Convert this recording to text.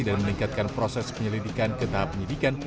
dan meningkatkan proses penyelidikan ke tahap penyelidikan